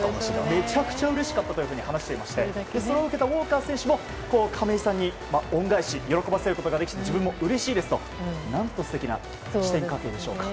めちゃくちゃうれしかったと話していましてそれを受けたウォーカー選手も恩返し、喜ばせることができて自分もうれしいですと何と素敵な師弟関係でしょうか。